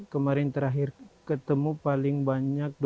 kemarin terakhir ketemu paling banyak dua puluh empat